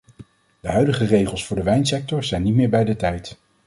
De huidige regels voor de wijnsector zijn niet meer bij de tijd.